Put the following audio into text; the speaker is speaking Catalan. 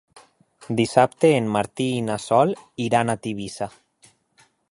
Dissabte en Martí i na Sol iran a Tivissa.